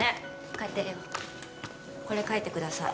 帰ってええよこれ書いてください